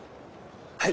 はい。